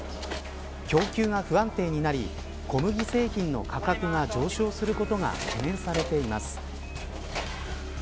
供給が不安定になり小麦製品の価格が上昇することが懸念されています。